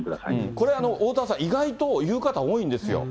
これはおおたわさん、意外と言う方、多いんですよ。